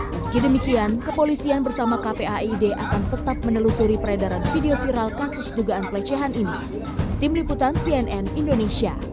meski demikian kepolisian bersama kpaid akan tetap menelusuri peredaran video viral kasus dugaan pelecehan ini